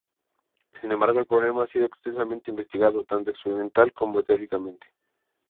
Sin embargo, el problema ha sido extensamente investigado, tanto experimental como teóricamente.